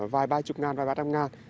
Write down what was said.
vài ba chục ngàn vài ba trăm ngàn